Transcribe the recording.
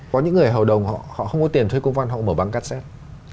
có những người hầu đồng họ không có tiền thuê cung văn họ mở băng cassette